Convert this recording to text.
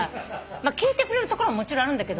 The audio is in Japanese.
聞いてくれる所ももちろんあるんだけども。